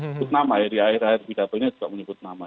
menyebut nama ya di akhir akhir pidato ini juga menyebut nama